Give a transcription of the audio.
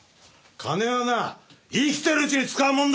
金はな生きてるうちに使うもんだ！